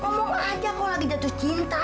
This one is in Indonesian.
ngomong aja kok lagi jatuh cinta